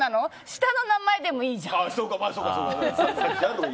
下の名前でもいいじゃん。